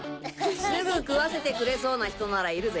すぐ食わせてくれそうな人ならいるぜ。